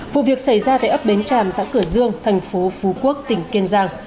vụ việc xảy ra tại ấp bến tràm xã cửa dương thành phố phú quốc tỉnh kiên giang